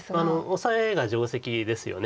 オサエが定石ですよね。